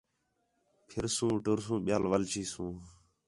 پِھرسوں ٹُرسوں ٻِیال وَل چیسوں